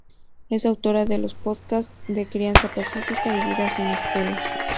Es autora de los podcast La Crianza Pacífica y Vida sin escuela.